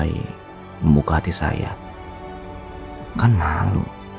yang abis telepon men